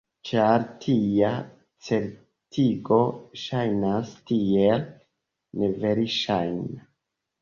Ĉar tia certigo ŝajnas tiel neverŝajna.